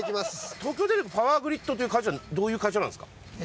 東京電力パワーグリッドという会社はどういう会社なんですか？